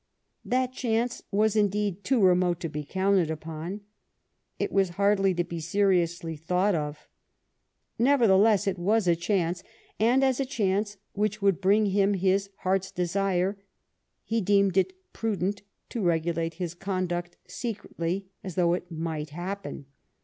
That chance was, indeed, too remote to be counted upon. It was hardly to be seriously thought of. Nevertheless it was a chance, and, as a chance which would bring him his heart's desire, 1)6 deemed it prudent to regulate his conduct, secretly, as though it might happen.